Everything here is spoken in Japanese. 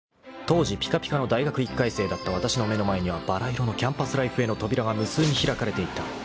［当時ぴかぴかの大学１回生だったわたしの目の前にはばら色のキャンパスライフへの扉が無数に開かれていた］